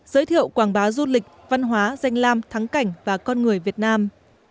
giới thiệu quảng bá du lịch văn hóa danh lam thắng cảnh và con người việt nam